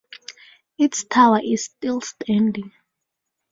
Its tower is still standing.